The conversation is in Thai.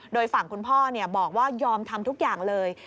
โดยฝั่งคุณพ่อบอกว่ายอมทำทุกอย่างเลย